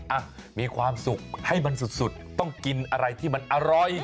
อ่ะมีความสุขให้มันสุดต้องกินอะไรที่มันอร่อย